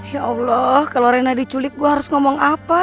ya allah kalau rena diculik gue harus ngomong apa